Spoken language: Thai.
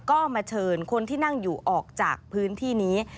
ก็มาเชิญคนที่นั่งอยู่ออกจากพื้นที่นี้